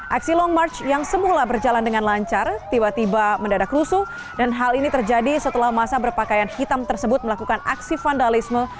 aksi long march yang semula berjalan dengan lancar tiba tiba mendadak rusuh dan hal ini terjadi setelah masa berpakaian hitam tersebut melakukan aksi vandalisme